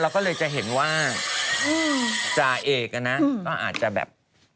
ก็เลยจะเห็นว่าจ่าเอกนะก็อาจจะแบบ